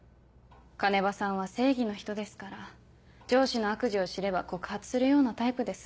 鐘場さんは正義の人ですから上司の悪事を知れば告発するようなタイプです。